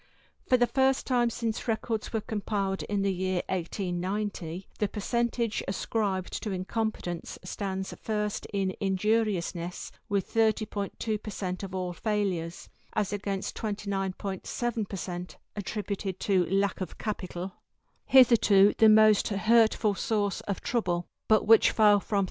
For the first time since the records were compiled in the year 1890, the percentage ascribed to incompetence stands first in injuriousness with 30.2 per cent of all failures, as against 29.7 per cent attributed to lack of capital, hitherto the most hurtful source of trouble, but which fell from 31.